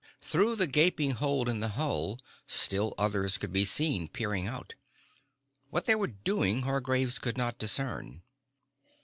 Through the the gaping hole in the hull, still others could be seen peering out. What they were doing Hargraves could not discern.